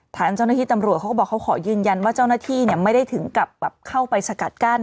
ทางเจ้าหน้าที่ตำรวจเขาก็บอกเขาขอยืนยันว่าเจ้าหน้าที่ไม่ได้ถึงกับเข้าไปสกัดกั้น